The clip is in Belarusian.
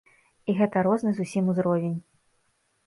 І гэта розны зусім узровень.